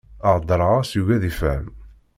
Heddreɣ-as, yugi ad ifhem.